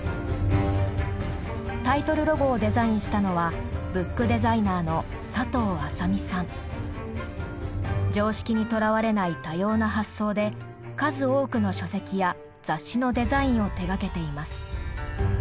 タイトルロゴをデザインしたのは常識にとらわれない多様な発想で数多くの書籍や雑誌のデザインを手がけています。